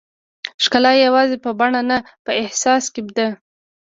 ښکلا یوازې په بڼه نه، په احساس کې ده.